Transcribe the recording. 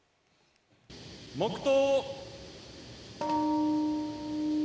黙とう。